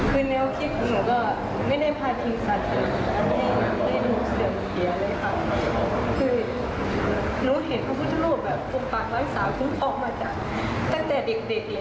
คือแนวคิดของหนูก็ไม่ได้พาทิศัตริย์เลย